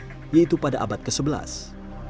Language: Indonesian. letusan gunung sindoro adalah yang tertua saat ini